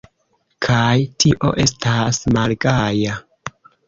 Kaj tio estas malgaja!